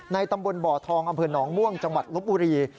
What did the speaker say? ตำบลบ่อทองอำเภอหนองม่วงจังหวัดลบบุรี